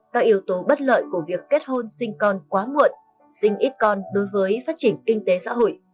các yếu tố bất lợi của việc kết hôn sinh con quá muộn sinh ít con đối với phát triển kinh tế xã hội